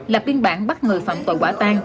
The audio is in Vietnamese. lập biên bản bắt người phạm tội quả tan